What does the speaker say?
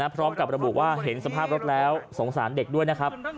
พร้อมกับระบุว่าเห็นสภาพรถแล้วสงสารเด็กด้วยนะครับ